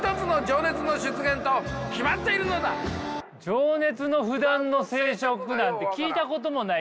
「情熱の不断の生殖」なんて聞いたこともないし。